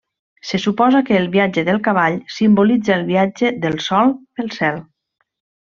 Se suposa que el viatge del cavall simbolitza el viatge del Sol pel cel.